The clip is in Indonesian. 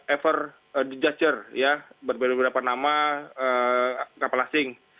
ever judger berbeda beda nama kapal asing